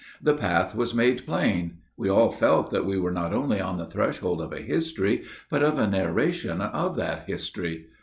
The path was made plain. We all felt that we were not only on the threshold of a history, but of a narration of that history.